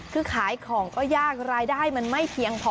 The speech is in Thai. คือขายของก็ยากรายได้มันไม่เพียงพอ